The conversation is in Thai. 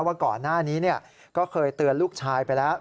ว่าก่อนหน้านี้ก็เคยเตือนลูกชายไปแล้ว